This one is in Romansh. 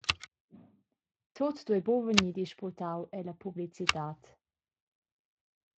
Tut duei buca vegnir disputau ella publicitad.